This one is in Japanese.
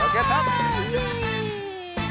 イエイ！